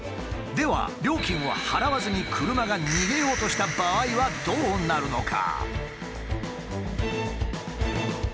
では料金を払わずに車が逃げようとした場合はどうなるのか？